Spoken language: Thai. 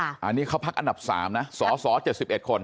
อันนี้เขาพักอันดับ๓นะสส๗๑คน